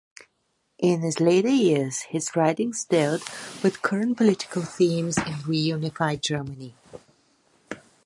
In his later years, his writings dealt with current political themes in reunified Germany.